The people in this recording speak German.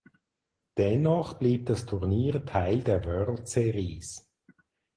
Dennoch blieb das Turnier Teil der World Series.